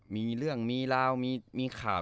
มีเรื่องมีราวมีข่าว